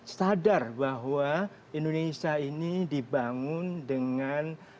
sadar bahwa indonesia ini dibangun dengan